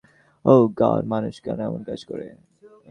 ওহ God, মানুষ কেন এমন কাজ করে?